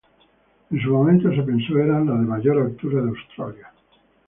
En su momento se pensó eran las de mayor altura de Australia.